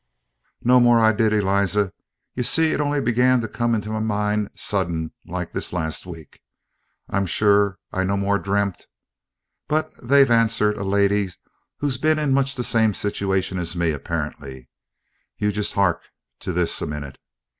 "No more I did, Eliza. You see it on'y began to come into my mind sudden like this last week. I'm sure I no more dreamt . But they've answered a lady who's bin in much the same situation as me aperiently. You just 'ark to this a minute."